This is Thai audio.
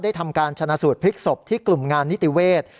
ทำการชนะสูตรพลิกศพที่กลุ่มงานนิติเวศ